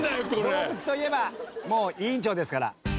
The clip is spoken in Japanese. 動物といえばもう委員長ですから。